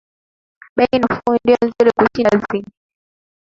Bei nafuu ndio nzuri kushinda zingine